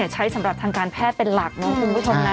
ใช้สำหรับทางการแพทย์เป็นหลักนะคุณผู้ชมนะ